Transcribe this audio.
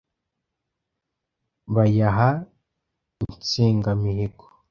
Bayaha Insengamihigo